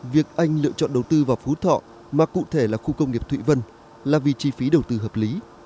việc anh lựa chọn đầu tư vào phú thọ mà cụ thể là khu công nghiệp thụy vân là vì chi phí đầu tư hợp lý